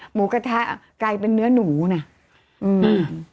หมูกระทะกลายเป็นเนื้อหนูน่ะอืมอ่า